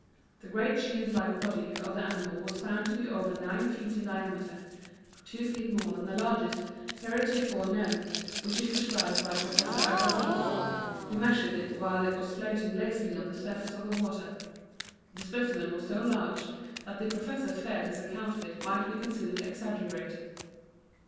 The great shield like body of the animal was found to be over nine feet in diameter, two feet more than the largest heretofore known, which is described by Professor Agassiz, who measured it while it was floating lazily on the surface of the water. This specimen was so large that the professor feared his account of it might be considered exaggerated.